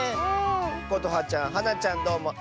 ことはちゃんはなちゃんどうもありがとう！